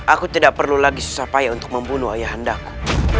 aku tidak perlu lagi susah payah untuk membunuh ayah andaku